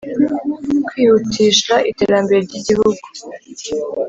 Kwihutisha iterambere ry igihugu